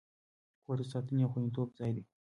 کور د ساتنې او خوندیتوب ځای دی.